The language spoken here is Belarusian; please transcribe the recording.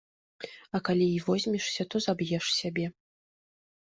А калі і возьмешся, то заб'еш сябе.